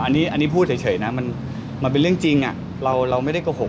อันนี้พูดเฉยนะมันเป็นเรื่องจริงเราไม่ได้โกหก